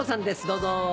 どうぞ。